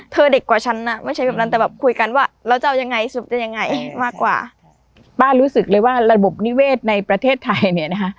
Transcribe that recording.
ป้ารู้สึกเลยว่าระบบนิเวศในประเทศไทย